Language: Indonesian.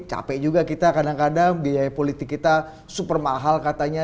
capek juga kita kadang kadang biaya politik kita super mahal katanya